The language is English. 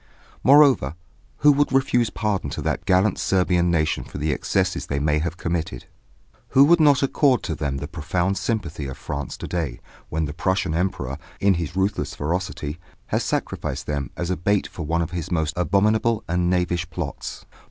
Moreover, who would refuse pardon to that gallant Serbian nation for the excesses they may have committed? Who would not accord to them the profound sympathy of France to day, when the Prussian Emperor, in his ruthless ferocity, has sacrificed them as a bait for one of his most abominable and knavish plots?